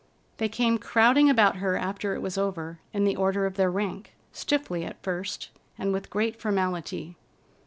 They came crowding about her after it was over, in the order of their rank, stiffly at first and with great formality.